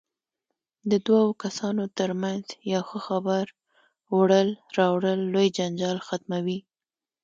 د دوو کسانو ترمنځ یو ښه خبر وړل راوړل لوی جنجال ختموي.